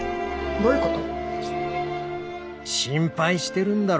どういうこと？